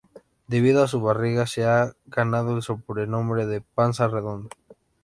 Debido a su barriga se ha ganado el sobrenombre de "Panza Redonda".